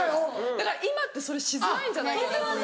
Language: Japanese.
だから今ってそれしづらいんじゃないかなと思って。